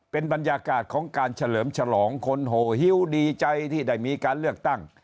เป็นบรรยากาศของการเฉลิมฉลองคนโหฮิ้วดีใจที่ได้มีการเลือกตั้ง